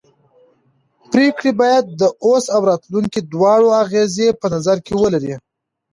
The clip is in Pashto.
پرېکړې باید د اوس او راتلونکي دواړو اغېزې په نظر کې ولري